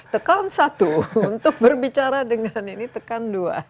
tekan satu untuk berbicara dengan ini tekan dua